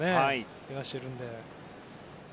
けがをしているので。